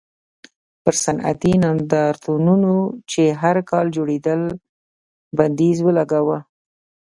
پر صنعتي نندارتونونو چې هر کال جوړېدل بندیز ولګاوه.